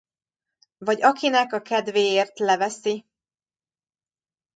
Vagy akinek a kedvéért leveszi.